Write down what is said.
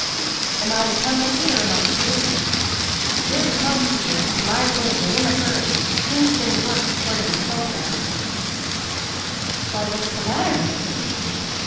"Am I to come Mickey, or am I too busy?" "You are to come, Peter, to my room, and in a hurry. Things didn't work according to program." "Why what's the matter, Mickey?"